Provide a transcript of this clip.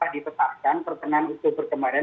ditetapkan pertengahan oktober kemarin